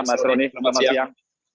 mas roni selamat siang